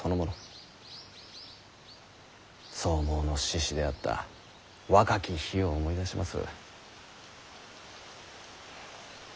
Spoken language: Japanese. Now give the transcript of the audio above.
草莽の志士であった若き日を思い出します。